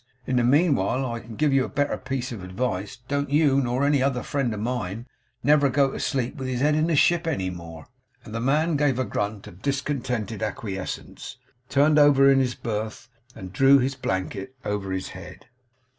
In the meanwhile I can give you a better piece of advice. Don't you nor any other friend of mine never go to sleep with his head in a ship any more.' The man gave a grunt of discontented acquiescence, turned over in his berth, and drew his blanket over his head.